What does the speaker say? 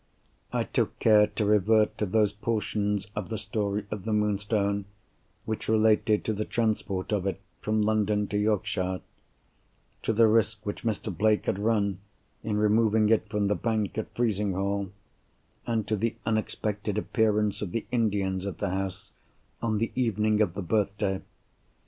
I took care to revert to those portions of the story of the Moonstone, which related to the transport of it from London to Yorkshire; to the risk which Mr. Blake had run in removing it from the bank at Frizinghall; and to the unexpected appearance of the Indians at the house, on the evening of the birthday.